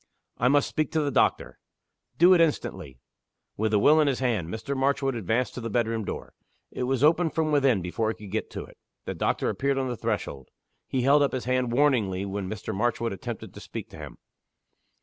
"I must speak to the doctor." "Do it instantly!" With the will in his hand, Mr. Marchwood advanced to the bedroom door. It was opened from within before he could get to it. The doctor appeared on the threshold. He held up his hand warningly when Mr. Marchwood attempted to speak to him.